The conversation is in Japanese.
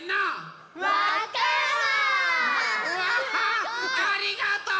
わありがとう！